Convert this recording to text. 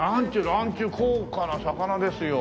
ランチュウ高価な魚ですよ。